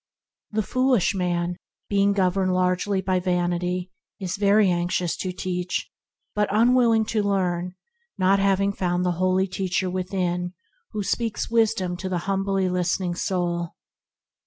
The foolish man, being governed largely by vanity, is anxious to teach but unwill ing to learn, not having found the Holy Teacher within who speaks wisdom to the humbly listening soul.